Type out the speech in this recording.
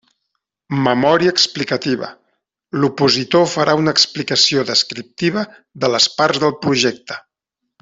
Memòria explicativa: l'opositor farà una explicació descriptiva de les parts del projecte.